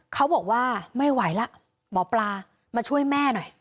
เขาบอกว่าไม่ไหวแล้วหมอปลามาช่วยแม่หน่อย